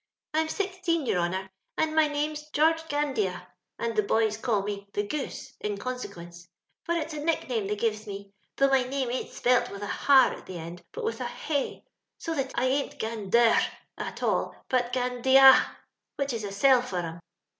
I'm sixteen, your honour, and my name's George Gandea, and the boys calls me * the Goose ' in consequence ; for it's a nickname they gives me, though my name ain't spelt with a har at the end, but with a Vay, so that I ain't Gander after all, but Gandea, which is a sell for 'em.